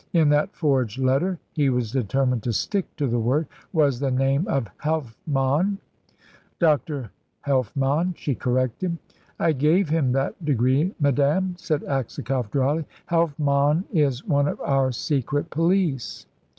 "In that forged letter" he was determined to stick to the word "was the name of Helfmann." "Dr. Helfmann," she corrected. "I gave him that degree, madame," said Aksakoff, dryly. "Helfmann is one of our secret police."